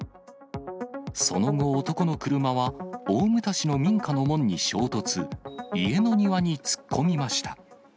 その後、男の車は大牟田市の民家の門に衝突、家の庭に突っ込みました。